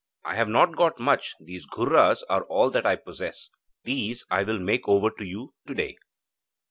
I have not got much, these ghurras are all that I possess. These I will make over to you to day.'